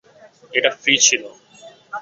এটা ফ্রী ছিল।